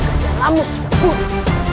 alamu suruh guru